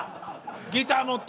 ギター持って。